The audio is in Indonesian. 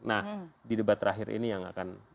nah di debat terakhir ini yang akan